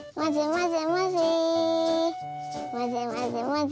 まぜまぜまぜ。